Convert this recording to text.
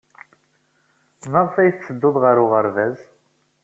Maɣef ay tetteddud ɣer uɣerbaz?